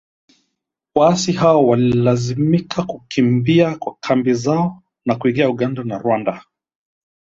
Waasi hao walilazimika kukimbia kambi zao na kuingia Uganda na Rwanda.